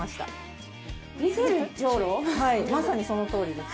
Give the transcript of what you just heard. はいまさにそのとおりです。